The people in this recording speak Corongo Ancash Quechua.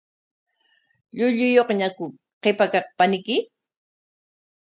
¿Llulluyuqñaku qipa kaq paniyki?